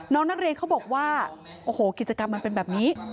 น้องนักเรียนเขาบอกว่าโอ้โหกิจกรรมมันเป็นแบบนี้